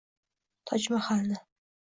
Tojmahalni